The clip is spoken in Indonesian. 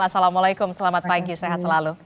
assalamualaikum selamat pagi sehat selalu